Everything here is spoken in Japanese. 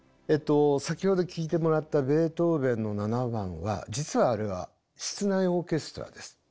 先ほど聴いてもらったベートーヴェンの７番は実はあれは室内オーケストラです。